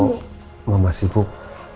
kalau mama sibuk